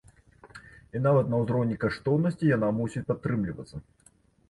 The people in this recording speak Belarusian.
І, нават на ўзроўні каштоўнасці, яна мусіць падтрымлівацца.